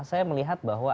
saya melihat bahwa